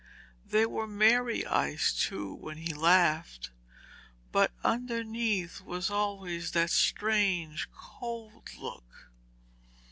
They were merry eyes too, when he laughed, but underneath was always that strange cold look.